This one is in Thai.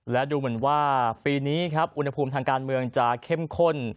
และดูเหมือนว่าปีนี้ครับอุณหภูมิทางการเมืองจะเข้มข้น